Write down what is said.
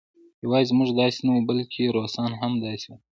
یوازې موږ داسې نه وو بلکې روسان هم همداسې وو